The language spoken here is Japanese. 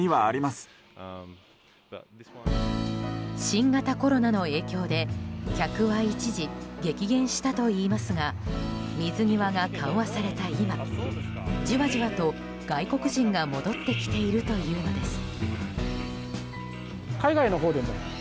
新型コロナの影響で客は一時激減したといいますが水際が緩和された今じわじわと外国人が戻ってきているというのです。